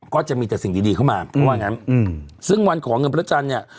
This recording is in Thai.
ก็จะมีแต่สิ่งดีเข้ามาเพราะว่างั้นอืมซึ่งวันขอเงินพระจันทร์เนี่ย